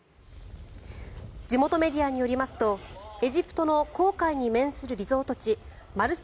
地元メディアによりますとエジプトの紅海に面するリゾート地マルサ